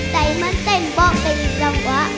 แต่มันเต้นบอกกันจังวะ